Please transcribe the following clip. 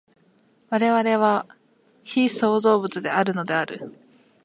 我々は被創造物であるのである。